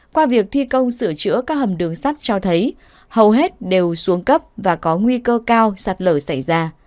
qua việc thi công sửa chữa các hầm đường sắt cho thấy hầu hết đều xuống cấp và có nguy cơ cao sạt lở xảy ra